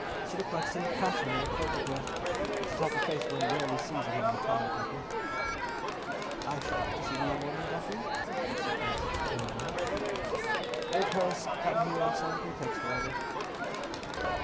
She looked like St. Catherine in a Quaker dress. It's a type of face one rarely sees among our common people." "I should like to see the young woman, Dauphin," said Mrs. Irwine. "Make her come here on some pretext or other."